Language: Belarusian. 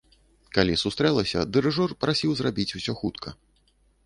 Калі сустрэлася, дырыжор прасіў зрабіць усё хутка.